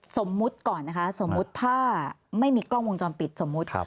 สมมุติก่อนนะคะสมมุติถ้าไม่มีกล้องวงจรปิดสมมุติ